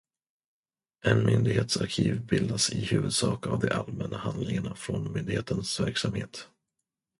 En myndighets arkiv bildas i huvudsak av de allmänna handlingarna från myndighetens verksamhet.